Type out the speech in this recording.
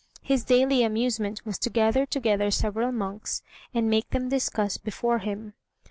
His daily amusement was to gather together several monks, and make them discuss before him.